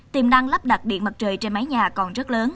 tiềm năng lắp đặt điện mặt trời trên mái nhà còn rất lớn